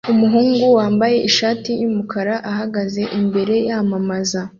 Umuhungu wambaye ishati yumukara uhagaze imbere yamamaza